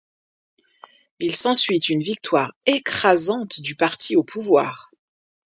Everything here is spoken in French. Il s'ensuit une victoire écrasante du parti au pouvoir.